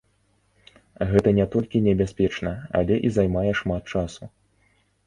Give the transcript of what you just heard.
Гэта не толькі небяспечна, але і займае шмат часу.